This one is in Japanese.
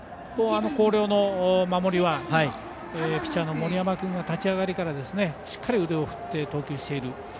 広陵の守りはピッチャーの森山君が立ち上がりからしっかり腕を振って投球をしている。